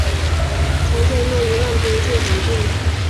参见诺伊曼边界条件。